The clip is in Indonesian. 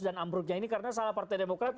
dan ambruknya ini karena salah partai demokrat